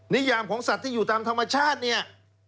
นิยามของสัตว์ที่อยู่ตามธรรมชาติเนี่ย